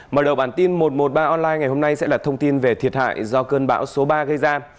mở đầu bản tin một trăm một mươi ba online ngày hôm nay sẽ là thông tin về thiệt hại do cơn bão số ba gây ra